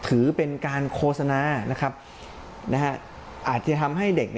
ถือเป็นการโฆษณาอาจจะทำให้เด็ก